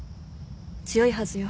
強いはずよ。